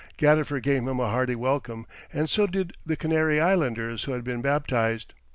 Gadifer gave him a hearty welcome, and so did the Canary islanders who had been baptized.